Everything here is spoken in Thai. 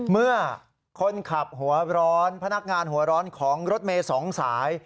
เมื่อคนขับหัวร้อนพนักงานหัวร้อนของรถเมย์สองสาย